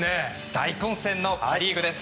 大混戦のパ・リーグです。